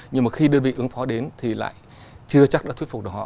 nhưng mà khi đơn vị ứng phó đến thì lại chưa chắc đã thuyết phục được họ